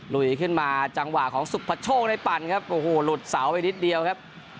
ลุยขึ้นมาจังหวะของสุภโชคได้ปั่นครับโอ้โหหลุดเสาไปนิดเดียวครับ